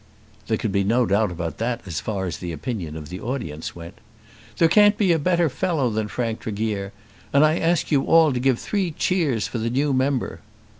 There could be no doubt about that as far as the opinion of the audience went. "There can't be a better fellow than Frank Tregear, and I ask you all to give three cheers for the new member."